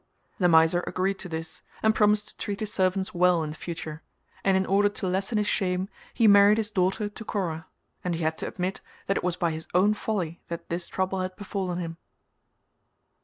The miser agreed to this and promised to treat his servants well in future, and in order to lessen his shame he married his daughter to Kora; and he had to admit that it was by his own folly that this trouble had befallen him.